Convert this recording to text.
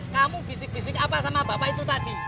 kamu bisik bisik apa sama bapak itu tadi